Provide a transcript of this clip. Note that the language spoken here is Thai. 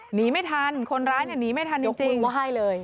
หนีไม่ทันคนร้ายเนี่ยหนีไม่ทันจริงเขาให้เลย